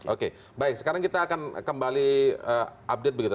oke baik sekarang kita akan kembali update begitu